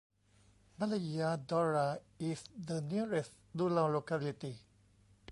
Malaya Dora is the nearest rural locality.